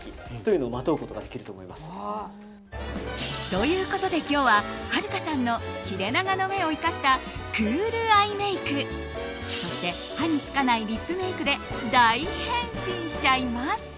ということで、今日ははるかさんの切れ長の目を生かしたクールアイメイクそして歯につかないリップメイクで大変身しちゃいます。